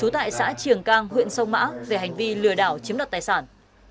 trường cang huyện sông mã về hành vi lừa đảo chiếm đặt tài sản